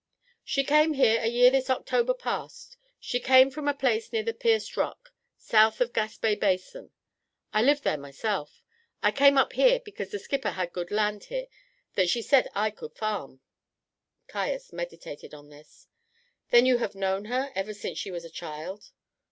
"She came here a year this October past. She came from a place near the Pierced Rock, south of Gaspé Basin. I lived there myself. I came here because the skipper had good land here that she said I could farm." Caius meditated on this. "Then, you have known her ever since she was a child?"